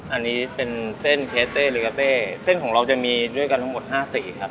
อันนี้เป็นเส้นเคสเต้ริกาเต้เส้นของเราจะมีด้วยกันทั้งหมดห้าสีครับ